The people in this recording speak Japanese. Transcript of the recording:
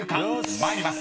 参ります］